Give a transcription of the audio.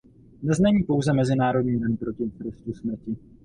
Dnes není pouze mezinárodní den proti trestu smrti.